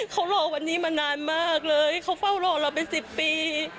เขารอวันนี้มานานมากเลยเขาเฝ้ารอเราเป็น๑๐ปี